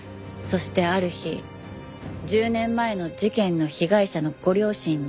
そしてある日１０年前の事件の被害者のご両親に呼び出された。